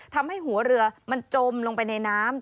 ทำให้หัวเรือมันจมลงไปในน้ำ